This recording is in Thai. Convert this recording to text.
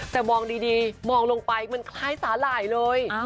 แต่มองดีมองลงไปมันคล้ายสาหร่ายเลย